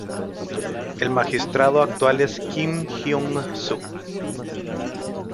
El magistrado actual es Kim Hyung-Su.